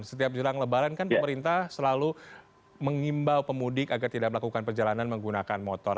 setiap jelang lebaran kan pemerintah selalu mengimbau pemudik agar tidak melakukan perjalanan menggunakan motor